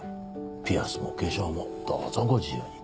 ピアスも化粧もどうぞご自由に。